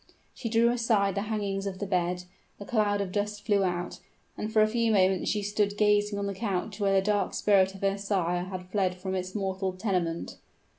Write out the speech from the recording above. She drew aside the hangings of the bed, a cloud of dust flew out and for a few moments she stood gazing on the couch where the dark spirit of her sire had fled from its mortal tenement!